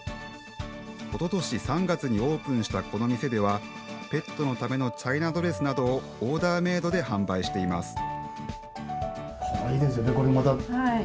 おととし３月にオープンしたこの店ではペットのためのチャイナドレスなどをオーダーメードで販売しています。